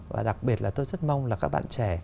và đặc biệt là tôi rất mong là các bạn trẻ